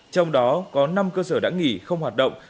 trong đó có năm cơ sở đã nghỉ không hoạt động